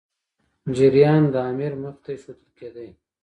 جریان د امیر مخي ته ایښودل کېدی.